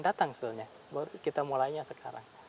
datang sebenarnya kita mulainya sekarang